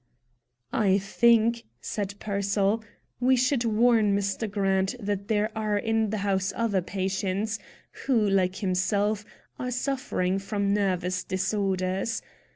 "I think," said Pearsall, "we should warn Mr. Grant that there are in the house other patients who, like himself, are suffering from nervous disorders.